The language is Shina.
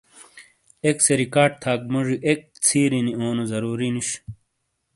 ایک سے ریکارڈ تھاک موجی ایک ژِیرِینی اونو ضروری نُش۔